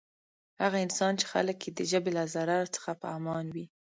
هغه انسان چی خلک یی د ژبی له ضرر څخه په امان وی.